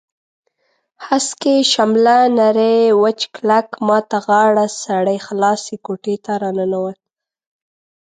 هسکې شمله نری وچ کلک، ما ته غاړه سړی خلاصې کوټې ته راننوت.